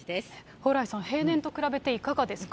蓬莱さん、平年と比べていかがですか。